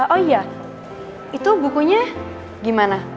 oh iya itu bukunya gimana